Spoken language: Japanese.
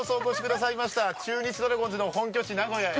中日ドラゴンズの本拠地名古屋へ。